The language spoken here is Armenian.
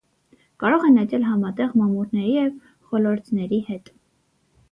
Կարող են աճել համատեղ մամուռների և խոլորձների հետ։